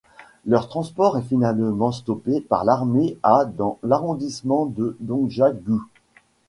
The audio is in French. Leur transport est finalement stoppé par l'armée à dans l'arrondissement de Dongjak-gu.